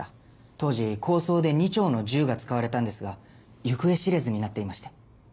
当時抗争で２丁の銃が使われたんですが行方知れずになっていまして。